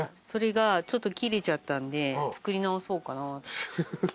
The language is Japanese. それがちょっと切れちゃったんで作り直そうかな。